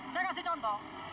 saya kasih contoh